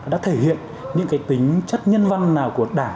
đã thể hiện những cái tính chất nhân văn nào của đảng